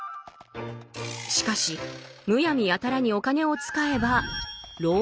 しかしむやみやたらにお金を使えば「浪費」。